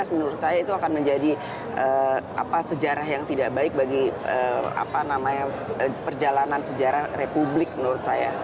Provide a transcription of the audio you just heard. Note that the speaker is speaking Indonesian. menurut saya itu akan menjadi sejarah yang tidak baik bagi perjalanan sejarah republik menurut saya